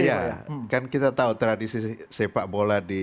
iya kan kita tahu tradisi sepak bola di